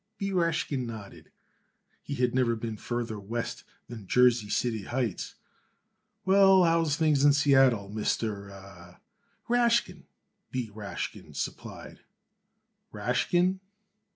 B. Rashkin nodded. He had never been farther West than Jersey City Heights. "Well, how is things in Seattle, Mister er " "Rashkin," B. Rashkin supplied. "Rashkin?"